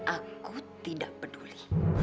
aku tidak peduli